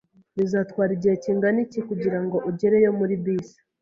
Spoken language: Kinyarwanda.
Bizatwara igihe kingana iki kugirango ugereyo muri bisi?